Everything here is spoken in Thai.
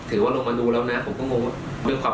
และยืนยันเหมือนกันว่าจะดำเนินคดีอย่างถึงที่สุดนะครับ